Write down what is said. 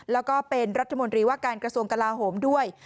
แล้วก็เป็นรัฐมนตรีว่าการกระทรวงกลาโหมด้วย